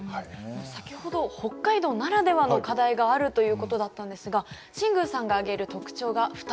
先ほど北海道ならではの課題があるということだったんですが新宮さんが挙げる特徴が２つになります。